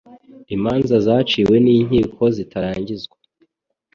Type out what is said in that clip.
Imanza zaciwe n inkiko zitarangizwa